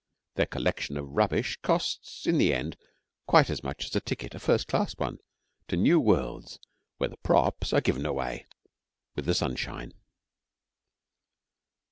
Their collection of rubbish costs in the end quite as much as a ticket, a first class one, to new worlds where the 'props' are given away with the sunshine.